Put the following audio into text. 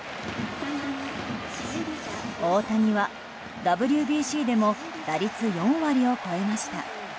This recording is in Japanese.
大谷はＷＢＣでも打率４割を超えました。